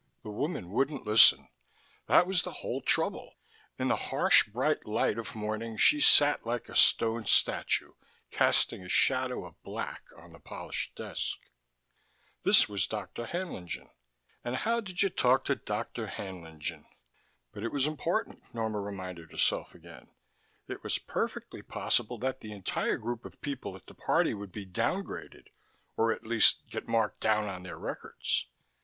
The woman wouldn't listen, that was the whole trouble: in the harsh bright light of morning she sat like a stone statue, casting a shadow of black on the polished desk. This was Dr. Haenlingen and how did you talk to Dr. Haenlingen? But it was important, Norma reminded herself again: it was perfectly possible that the entire group of people at the party would be downgraded, or at the least get marked down on their records.